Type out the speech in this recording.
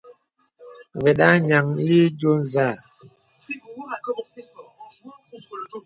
Və̀da nyaŋ ǐ yo nzâ.